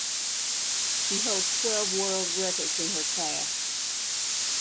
She holds twelve world records in her class.